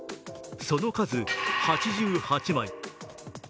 その数、８８枚。